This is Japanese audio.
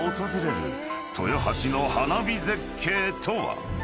豊橋の花火絶景とは？］